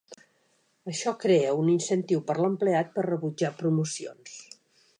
Això crea un incentiu per a l'empleat per rebutjar promocions.